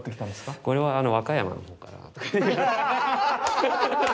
これは和歌山の方から。